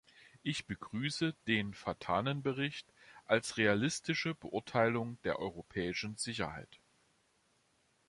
Ich begrüße den Vatanen-Bericht als realistische Beurteilung der europäischen Sicherheit.